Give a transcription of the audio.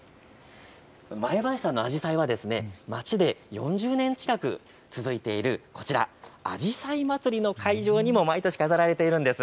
前林さんのアジサイは町で４０年近く続いているあじさい祭りの会場にも毎年、飾られています。